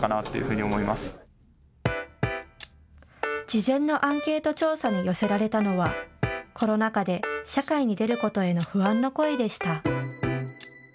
事前のアンケート調査に寄せられたのはコロナ禍で社会に出ることへの不安の声でした。